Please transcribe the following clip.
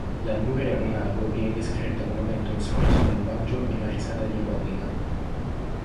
La nure-onago viene descritta come avente un sorriso malvagio e una risata diabolica.